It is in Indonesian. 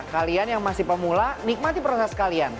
kalian yang masih pemula nikmati proses kalian